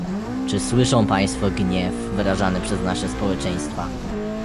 Czy słyszą państwo gniew wyrażany przez nasze społeczeństwa?